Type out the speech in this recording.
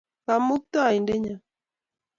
Kamukta-indennyo.